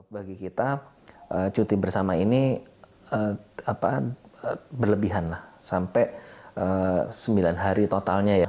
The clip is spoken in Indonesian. bagi kita cuti bersama ini berlebihan sampai sembilan hari totalnya ya